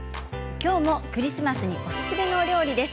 きょうもクリスマスにおすすめのお料理です。